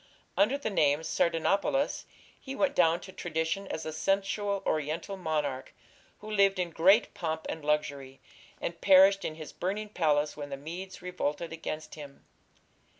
Under the name Sardanapalus he went down to tradition as a sensual Oriental monarch who lived in great pomp and luxury, and perished in his burning palace when the Medes revolted against him.